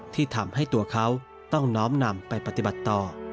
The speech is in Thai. ที่ทำให้ตัวเขาต้องน้อมนำไปปฏิบัติต่อ